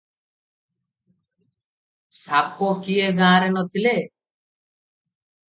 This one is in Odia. ସାପ କି ଏ ଗାଁରେ ନ ଥିଲେ?